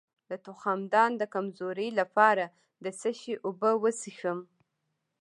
د تخمدان د کمزوری لپاره د څه شي اوبه وڅښم؟